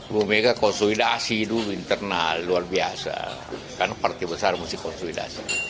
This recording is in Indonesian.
bumeka konsolidasi dulu internal luar biasa karena partai besar mesti konsolidasi